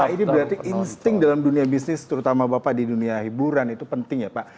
ini berarti insting dalam dunia bisnis terutama bapak di dunia hiburan itu penting ya pak